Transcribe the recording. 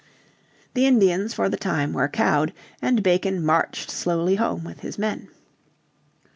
The Indians for the time were cowed, and Bacon marched slowly home with his men.